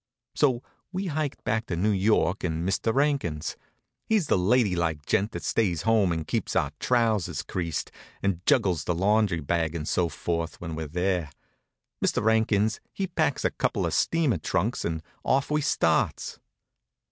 So we hiked back to New York and Mister 'Ankins he's the lady like gent that stays home an' keeps our trousers creased, an' juggles the laundry bag and so forth, when we're there Mr. 'Ankins he packs a couple of steamer trunks and off we starts.